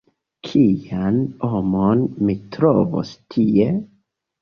Kian homon mi trovos tie?